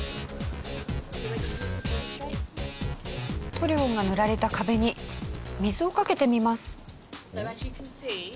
塗料が塗られた壁に水をかけてみます。